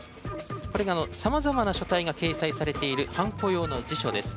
これが、さまざまな書体が掲載されているハンコ用の辞書です。